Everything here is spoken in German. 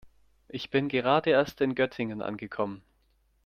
Ich bin gerade erst in Göttingen angekommen